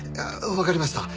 わかりました。